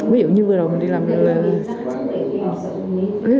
ví dụ như vừa đầu mình đi làm điều này